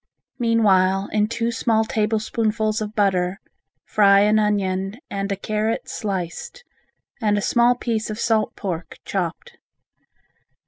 Meanwhile in two small tablespoonfuls of butter, fry an onion and a carrot sliced, and a small piece of salt pork chopped.